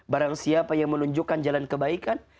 barang siapa yang menunjukkan jalan kebaikan